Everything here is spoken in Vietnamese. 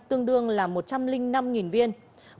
tương đương là một trăm linh năm viên